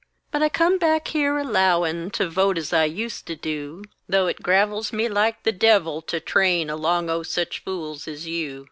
But I come back here, allowin' To vote as I used to do, Though it gravels me like the devil to train Along o' sich fools as you.